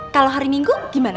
kalau hari minggu gimana